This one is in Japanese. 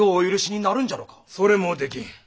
それもできん。